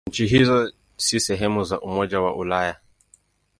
Nchi hizo si sehemu za Umoja wa Ulaya.